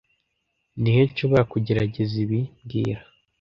Ni he nshobora kugerageza ibi mbwira